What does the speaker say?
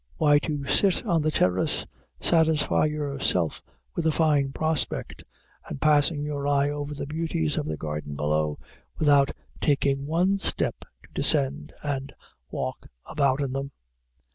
Why, to sit on the terrace, satisfy yourself with the fine prospect, and passing your eye over the beauties of the garden below, without taking one step to descend and walk about in them.